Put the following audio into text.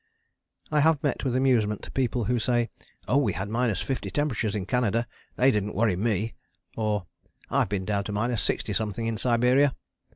I have met with amusement people who say, "Oh, we had minus fifty temperatures in Canada; they didn't worry me," or "I've been down to minus sixty something in Siberia."